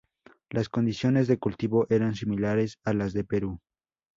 Las condiciones de cultivo eran similares a las de Perú.